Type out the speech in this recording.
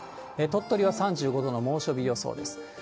鳥取は３５度の猛暑日予想です。